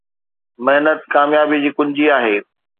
محنت ڪاميابي جي ڪنجي آهي